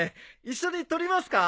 一緒に撮りますか？